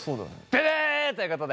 ブブということで。